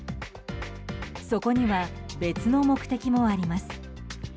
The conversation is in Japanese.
そこには別の目的もあります。